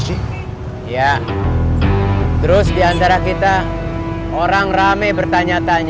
saya di jembatan